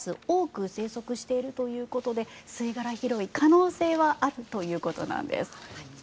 多く生息しているということで吸い殻拾い可能性はあるということです。